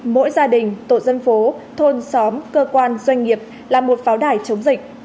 mỗi gia đình tổ dân phố thôn xóm cơ quan doanh nghiệp là một pháo đài chống dịch